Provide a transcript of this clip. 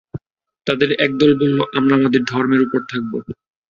তাদের একদল বলল, আমরা আমাদের ধর্মের উপর থাকব।